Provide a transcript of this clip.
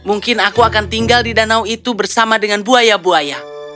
mungkin aku akan tinggal di danau itu bersama dengan buaya buaya